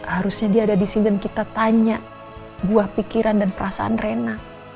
harusnya dia ada di sini dan kita tanya buah pikiran dan perasaan rena